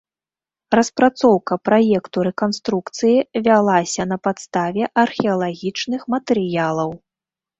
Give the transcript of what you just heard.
Распрацоўка праекту рэканструкцыі вялася на падставе археалагічных матэрыялаў.